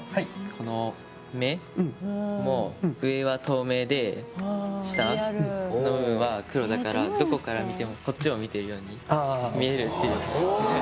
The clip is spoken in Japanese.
この目もうんうん上は透明で下の部分は黒だからどこから見てもこっちを見ているように見えるっていう・あっすげえ